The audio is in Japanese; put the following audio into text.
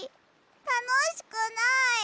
たのしくない！